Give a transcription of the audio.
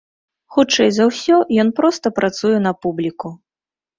Хутчэй за ўсё, ён проста працуе на публіку.